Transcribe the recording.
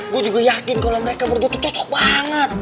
gue juga yakin kalau mereka berdua tuh cocok banget